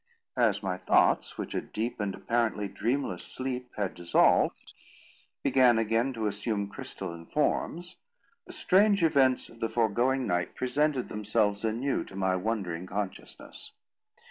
As my thoughts, which a deep and apparently dreamless sleep had dissolved, began again to assume crystalline forms, the strange events of the foregoing night presented themselves anew to my wondering consciousness.